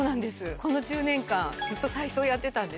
この１０年間ずっと体操やってたんです。